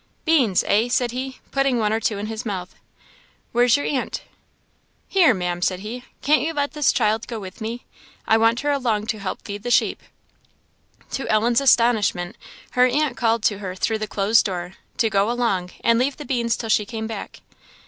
"Beans, eh?" said he, putting one or two in his mouth. "Where's your aunt?" "Here, Ma'am!" said he "can't you let this child go with me? I want her along to help feed the sheep." To Ellen's astonishment, her aunt called to her through the closed door to "go along, and leave the beans till she came back."